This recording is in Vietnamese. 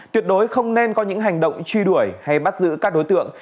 tuyệt đối không nên có những hành động truy đuổi hay bắt giữ các đối tượng